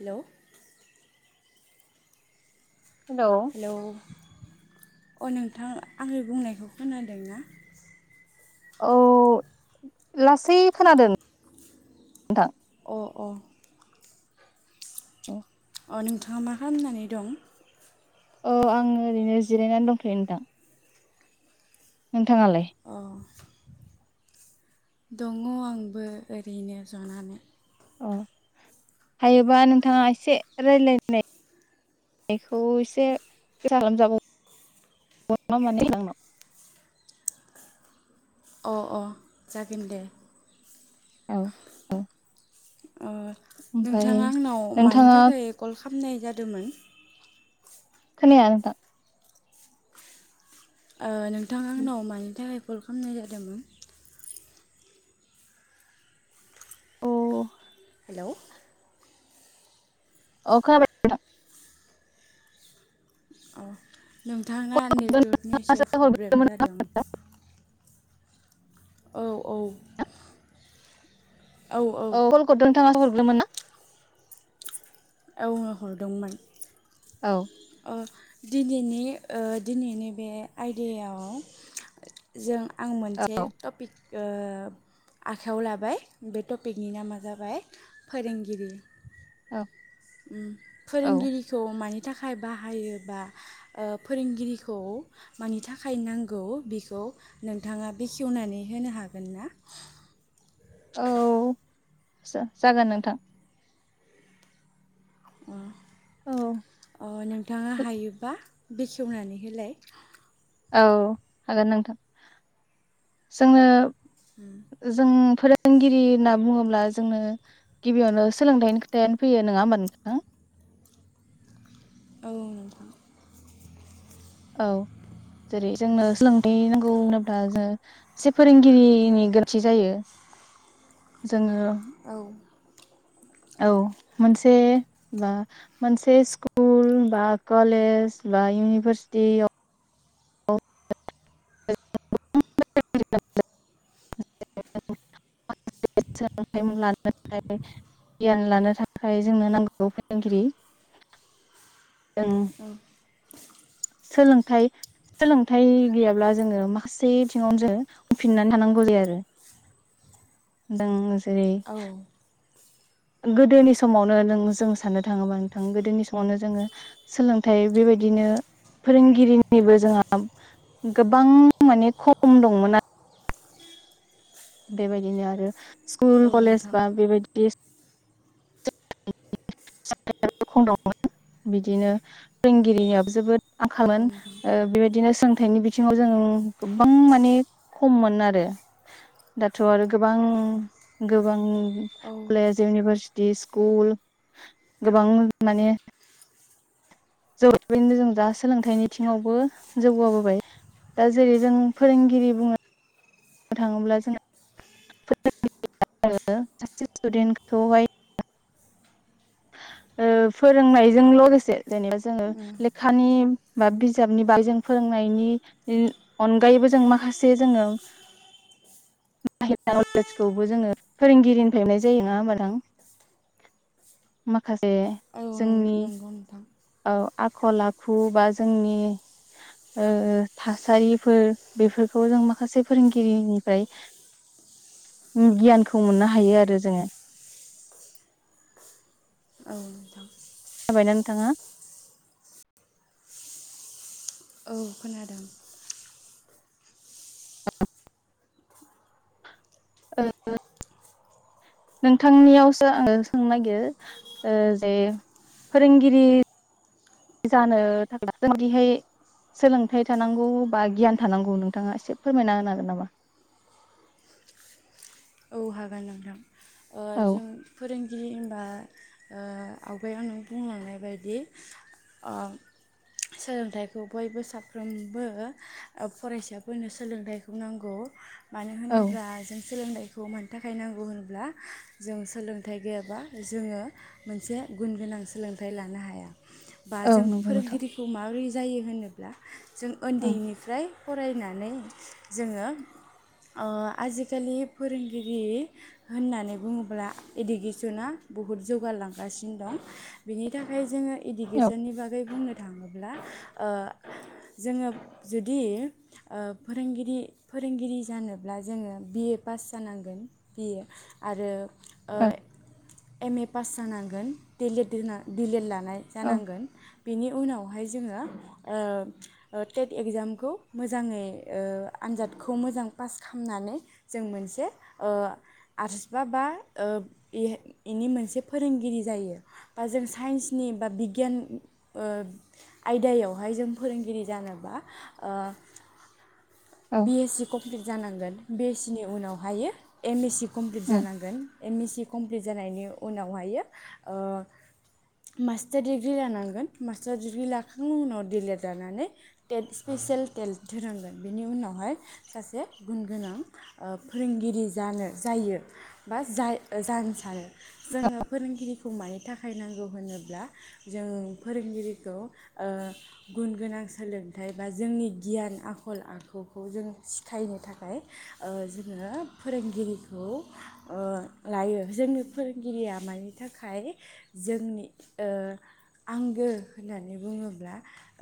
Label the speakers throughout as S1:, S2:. S1: Hello hello अ नोंथां आंनि बुंनायखौ खोनादोंना
S2: औ लासै खोनादों नोंथां
S1: अ अ अ नोंथाङा मा खालामनानै दं
S2: औ आङो ओरैनो जिरायनानै दंखायो नोंथां नोंथाङालाय
S1: अ दङ आंबो ओरैनो जनानै
S2: अ हायोबा नोंथाङा एसे रायलायनायनायखौ एसे गोसा खालामजाबाव नामा नोंथांनाव
S1: अ अ जागोन दे
S2: औ औ
S1: ओ
S2: ओमफ्राय
S1: नोंथाङा आंनाव मानि
S2: नोंथाङा
S1: थाखाय कल खामनाय जादोंमोन
S2: खोनाया नोंथां
S1: ओ नों थां आंनाव मानि थाखाय कल खालामनाय जादोंमोन
S2: अ
S1: हेल'
S2: अखा [unintelligible]
S1: अ नोंथाङा
S2: कलखौ
S1: नेटवर्कनि से
S2: नोंथाङासो
S1: प्रब्लेम
S2: हरग्रोदोंमोन ना?
S1: जादों औ औ
S2: औ [unintelligible] मोन ना
S1: औ हरदोंमोन
S2: औ
S1: अ दिनैनि ओ दिनैनि बे आयदायाव जों आं मोनसे
S2: औ
S1: टपिक ओ आखायाव लाबाय बे टपिकनि नामा जाबाय फोरोंगिरि
S2: औ
S1: उ
S2: औ
S1: फोरोंगिरिखौ मानि थाखाय बाहायोबा ओ फोरोंगिरिखौ मानि थाखाय नांगौ बेखौ नोंथाङा बेखेवनानै होनो हागोन ना
S2: औ जागोन नोंथां
S1: ओ
S2: औ
S1: ओ नोंथाङा हायोबा बेखेवनानै होलाय
S2: औ हागोन नोंथां जोङो जों फोरों गिरि होनना बुङोब्ला जोंनो गिबियावनो सोलोंथाइनि खोथायानो फैयो नङा होमबा नोंथां
S1: औ नोंथां
S2: औ जेरै जोंनो सोलोंथाइ नांगौ होनोब्ला जोङो एसे फोरोंगिरिनि गोनांथि जायो जोङो
S1: औ
S2: औ मोनसे बा मोनसे स्कुल बा कलेज बा इउनिभारसिटियाव [unintelligible] सोलोंथाइ लानो थाखाय गियान लानो थाखाय जोंनो नांगौ फोरोंगिरि ओं सोलोंथाइ सोलोंथाइ गैयाब्ला जोङो माखासे बिथिङावनो जों उफिननानै थानांगौ जायो आरो जों जेरै
S1: औ
S2: गोदोनि समावनो नों जों साननो थाङोबा नोंथां गोदोनि समावनो जोङो सोलोंथाइ बेबायदिनो फोरोंगिरिनिबो जोंहा गोबां माने खम दंमोन आरो बेबायदिनो आरो स्कुल
S1: औ
S2: कलेज
S1: नोंथां
S2: बा बेबायदि बेे [unintelligible] खम दंमोन बिदिनो फोरोंगिरिनियाबो जोबोद
S1: औ
S2: आंखालमोन
S1: नोंथां
S2: बेबायदिनो सों हाथाइनि बिथिङाव जों गोबां माने खममोन आरो दाथ आरो गोबां गोबां
S1: औ
S2: कलेज इउनिभारसिटि दि स्कुल गोबां माने जौबायनो जों दा सोलोंथाइनि बिथिङावबो जौगाबोबाय दा जेरै जों फोरोंगिरि बुङो बुंनो थाङोब्ला जोंफोर सासे स्टुडेन्टखौहाय ओ फोरोंनायजों लोगोसे जेनेबा जोङो लेखानि बा बिजाबनि बागै जों फोरोंनायनि अनगायैबो जों माखासे जोङो नलेजखौबो जोङो फोरोंगिरिनिफ्रायनो मोननाय जायो नङा होमबा नोंथां मा माखासे
S1: औ
S2: जोंनि
S1: नंगौ नोंथां
S2: औ आखल आखु बा जोंनि ओ थासारिफोर बेफोरखौ जों माखासे फोरोंगिरिनिफ्राय गियानखौ मोननो हायो आरो जोङो
S1: औ नोंथां
S2: जाबायना नोंथाङा
S1: औ खोनादों
S2: नोंथांनियावसो आङो सोंनो नागिरो जे फोरोंगिरि जानो थाखाय जोंदिहाय सोलोंथाइ थानांगौ बा गियान थानांगौ नोंथाङा एसे फोरमायना होनो हागोन नामा
S1: औ हागोन नोंथां
S2: औ
S1: जों फोरोंगिरि होनबा आवगायाव नों बुंलांनाय बायदि सोलोंथाइखौ बयबो साफ्रोमबो फरायसाफोरनो सोलोंथाइखौ नांगौ मानो
S2: औ
S1: होनोब्ला जों सोलोंथाइखौ खौ मानि थाखाय नांगौ होनब्ला जों सोलोंथाइ गैयाबा जोङो मोनसे गुन गोनां सोलोंथाइ लानो हाया बा
S2: औ
S1: जों
S2: नंगौ नोंथां
S1: फोरोंगिरिखौ माबोरै जायो होनोब्ला जों
S2: ओं
S1: उन्दैनिफ्राय फरायनानै जोङो ओ आजिखालि फोरोंगिरि होननानै बुङोब्ला इडुकेसना बुहुद जौगालांगासिनो दं बिनि थाखाय जोङो
S2: औ
S1: इडुकेसननि बागै बुंनो थाङोब्ला ओ जोङो जुदि फोरोंगिरि फोरोंगिरि जानोब्ला जोङो बि ए पास जानांगोन बिए आरो ओ
S2: औ
S1: एम ए पास जानांगोन दि लेद होना दि लेद ला नाय
S2: औ
S1: जानांगोन बेनि उनावहाय जोङो ओ टेट एगजामखौ मोजाङै ओ आनजादखौ मोजां पास खालामनानै बि जों मोनसे ओ आर्ट्स बा बा ओ इनि मोनसे फोरोंगिरि जायो बा जों साइन्सनि बा बिगियान ओ आयदायावहाय जों फोरोंगिरि जानोबा ओ
S2: औ
S1: बि एस सिखौ कमप्लिट जानांगोन बि एस सि नि उनावहायो एम एस सि कमप्लिट
S2: उम
S1: जानांगोन एम एस सि कमप्लिट जानायनि उनावहायो ओ मास्टार दिडिग्रि लानांगोन मास्टार दिडिग्रि लाखांनायनि उनाव डिलेद लानानै टेट स्पेसियेल टेलट होनांगोन। बेनि उनावहाय सासे गुन गोनां ओ फोरोंगिरि जानो जायो बा जा जानो सानो जोङो फोरोंगिरिखौ मानि थाखाय नांगौ होनोब्ला जों फोरोंगिरिखौ ओ गुन गोनां सोलोंथाइ बा जोंनि गियान आखु आखल आखुखौ जों सिखायनो थाखाय ओ जोङो फोरोंगिरिखौ ओ लायो जोंनि फोरोंगिरिया मानि थाखाय जोंनि ओ आंगो होननानै बुङोब्ला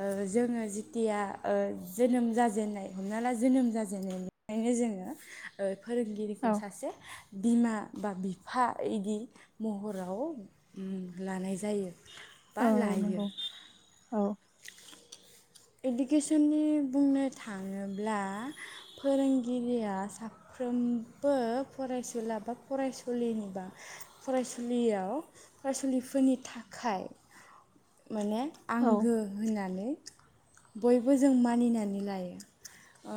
S1: ओ जोङो जिथिया ओ जोनोम जा जेननाय हमना ला जोनोम जाजेननायनिफायनो जोङो फोरोंगिरिखौ
S2: औ
S1: सासे बिमा बा बिफा इदि महराव उम लानाय जायो। बा
S2: औ
S1: लायो
S2: नंगौ औ
S1: इडुकेसननि बुंनो थाङोब्ला फोरोंगिरिया साफ्रोमबो फरायसुला बा फरायसुलिनि बा फरायसुलियाव फरायसुलिफोरनि थाखाय माने
S2: औ
S1: आंगो होननानै नानै बयबो जों मानिनानै लायो ओ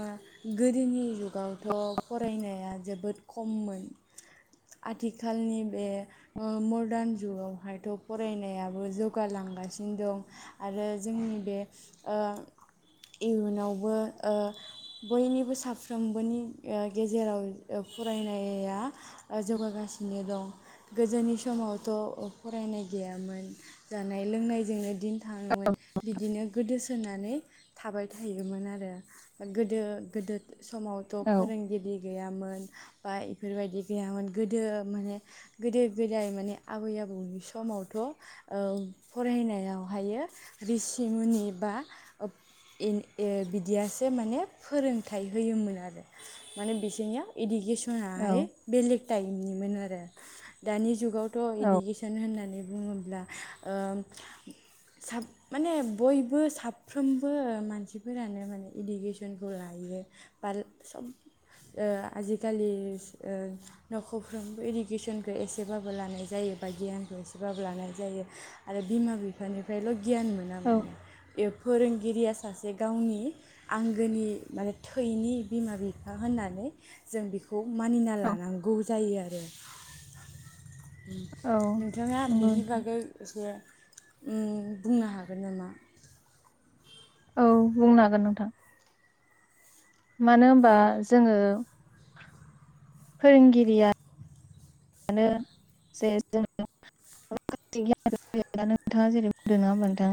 S1: गोदोनि जुगावथ' फरायनाया जोबोद खममोन आथिखालनि बे ओ मदार्न जुगावहायथ' फरायनायाबो जौगालांगासिनो दं आरो जोंनि बे ओ इयुनावबो ओ बयनिबो साफ्रोमबोनि ओ गेजेराव ओ फरायनाया जौगागासिनो दं गोजोनि समावथ' फरायनाय गैयामोन। जानाय लोंनायजोंनो दिन थाङोमोन बिदिनो गोदो थाबाय थायोमोन आरो गोदो गोदो समावथ'
S2: औ
S1: फोरोंगिरि गैयामोन। बा इफोरबायदि गैयामोन गोदो माने गोदो गोदाय माने आबै आबौनि समावथ' ओ फरायनायावहाय रिसि मुनि बा ओ बिदियासो माने फोरोंथाइ होयोमोन आरो माने बिसोरनियाव इदि [unintelligible]
S2: औ
S1: सनाहाय बेलेग टाइप निमोन आरो दानिजुगाव था
S2: औ
S1: इडुकेसन होननानै बुङोब्ला ओ माने बयबो साब साफ्रोमबो मानसिफोरानो माने इडुगेसनखौ लायो बा सब ओ आजिखालि ओ न'खरफ्रोमबो इडुगेसनखौ एसेबाबो लानाय जायो बा गियानखौ एसेबाबो लानाय जायो आरो बिमा बिफानिफ्राय लग गियान मोना
S2: औ
S1: माने फोरोंगिरिया सासे गावनि आंगोनि माने थैनि बिमा बिफा होननानै जों बेखौ मानिना लानांगौ जायो आरो
S2: औ
S1: नोंथाङा
S2: नंगौ
S1: बिनि
S2: नोंथां
S1: बागै एसे उम बुंनो हागोन नामा
S2: औ बुंनो हागोन नोंथां मानो होनबा जोङो फोरोंगिरिया सानो जे जों माखासे गियानयो नोंथाङा जेरै बुंदों नोङा होमबा नोंथां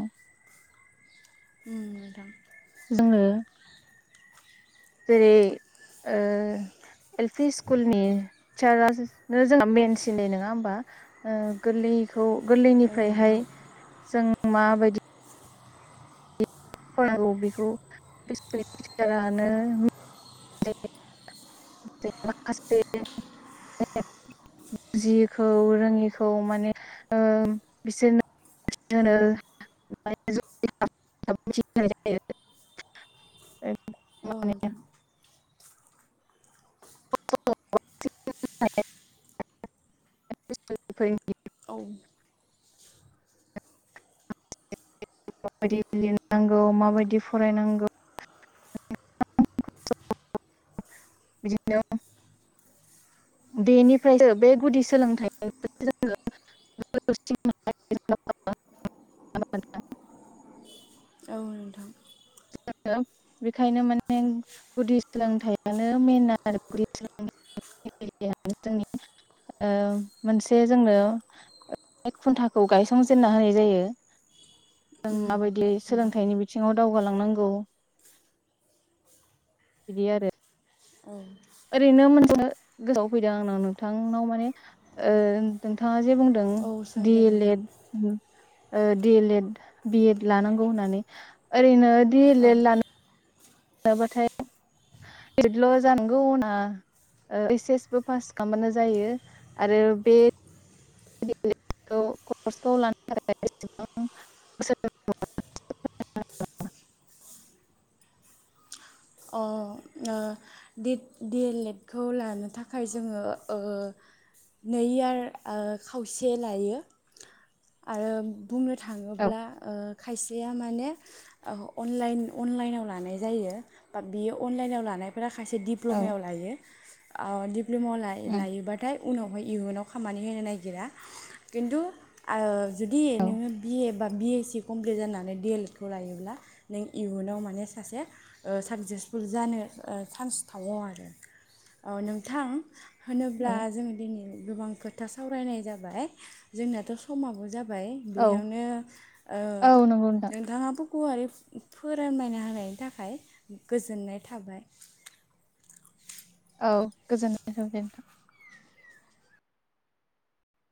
S1: [unintelligible]
S2: जोङो जेरै ओ एल पि स्कुलनि टिचारनो जोंना मेन सिन नङा होमबा ओ गोरलै खौ
S1: औ
S2: गोरलैनिफ्रायहाय
S1: नोंथां
S2: जों माबायदि फरायनांगौ बेखौ स्कुलनि टिचारानो माखासे बुजियैखौ रोङिखौ माने ओ बिसोरनो होनो नाजायो
S1: औ नोंथां
S2: [unintelligible]
S1: औ
S2: माबायदि लिरनांगौ माबायदि फरायनांगौ बिदिनो बेनिफ्रायसो बे गुदि सोलोंथाइ [unintelligible]
S1: ओ नोंथां
S2: बेखायनो माने गुदि सोलोंथाइयानो मेन आरो गुदि [unintelligible] जोंनि ओ मोनसे जोंनो खुनथाखौ गायसंजेनना होनाय जायो जों माबायदियै
S1: नोंथां
S2: सोलोंथाइनि बिथिं दावगालांनांगौ बिदि आरो
S1: औ
S2: से गोसोव फैदों आंनाव नोंथांनाव माने ओ नोंथाङा जे बुंदों
S1: औ
S2: दि
S1: सोंदे
S2: एल
S1: नोंथां
S2: एड ओ D L Ed B Ed लानांगौ होननानै ओरैनो दि एल
S1: औ
S2: एड लानो
S1: अ
S2: मोनाबाथाय दि एल एडल' जानांगौ ना एस एसबो पास खालामबानो जायो आरो बे [unintelligible]
S1: अ ओ डि एल एड खौ लानो थाखाय जोङो ओ नै यार ओ खावसे लायो आरो बुंनो
S2: औ
S1: थाङोब्ला ओ खायसेया माने अनलाइन अनलाइनाव लानाय जायो बा बियो अनलाइनाव लानाय फोरा खायसे
S2: औ
S1: दिप्ल'मायाव लायो ओ दि प्लमाव
S2: उम
S1: लायोबाथाय उनावहाय इयुनाव खामानि होनो नागिरा खिनथु ओ जुदि
S2: औ
S1: नोङो बि ए बा बिएस सि कमप्लिट जानानै डि एलड खौ लायोब्ला नों इयुनाव माने सासे ओ साक्सेसफुल जानो ओ सान्स थायो आरो ओ नोंथां होनोब्ला
S2: औ
S1: जों दिनै गोबां खोथा सावरायनाय जाबाय जोंनाथ' समाबो जा बाय
S2: औ
S1: बेयावनो ओ
S2: औ नंगौ नोंथां
S1: नोंथाङाबो गुवारै फोरानायना होनायनि थाखाय गोजोननाय थाबाय
S2: औ गोजोननाय थाबाय नोंथां